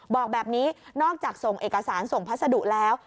บอกแบบนี้นอกจากส่งเอกสารส่งพัสดุแล้ว